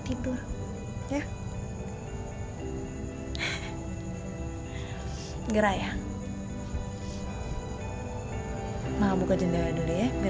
seterusnya mama akan temenin kamu tidur